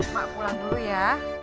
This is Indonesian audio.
mak pulang dulu ya